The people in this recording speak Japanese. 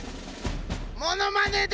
モノマネで！